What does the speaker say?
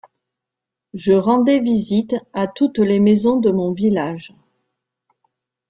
Je rendais visite à toutes les maisons de mon village.